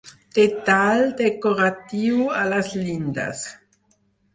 Detall decoratiu a les llindes.